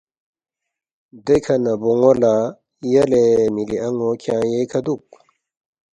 دیکھہ نہ بون٘و لہ، ”یلے مِلی ان٘و کھیانگ ییکھہ دُوک